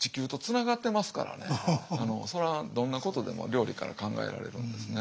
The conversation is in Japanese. それはどんなことでも料理から考えられるんですね。